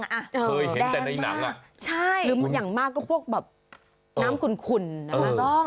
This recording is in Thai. เคยเห็นแต่ในหนังอ่ะใช่หรืออย่างมากก็พวกแบบน้ำขุ่นนะคะ